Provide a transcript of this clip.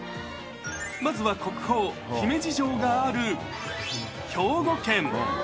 まずは国宝姫路城がある兵庫県。